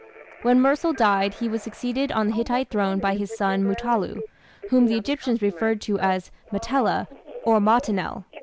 When Mursil died he was succeeded on the Hittite throne by his son Mutallu, whom the Egyptians referred to as "Metella" or "Mautinel".